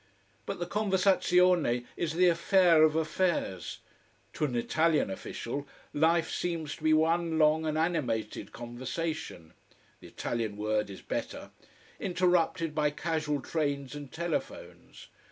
But the conversazione is the affair of affairs. To an Italian official, life seems to be one long and animated conversation the Italian word is better interrupted by casual trains and telephones.